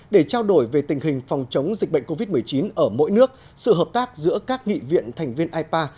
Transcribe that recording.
để trao đổi về tình hình phòng chống dịch bệnh covid một mươi chín ở mỗi nước sự hợp tác giữa các nghị viện thành viên ipa